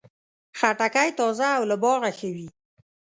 خټکی تازه او له باغه ښه وي.